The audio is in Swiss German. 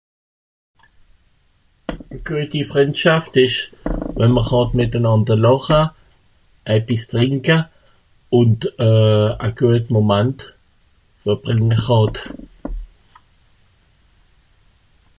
Güeti Frìndschaft ìsch, wenn m'r hàt mìtenànder làcha, e bìss trìnka, und e güet Momant verbrìnga hàt.